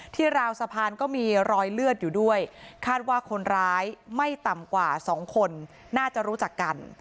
ราวสะพานก็มีรอยเลือดอยู่ด้วยคาดว่าคนร้ายไม่ต่ำกว่าสองคนน่าจะรู้จักกัน